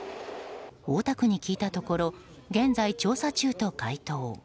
大田区に聞いたところ現在、調査中と回答。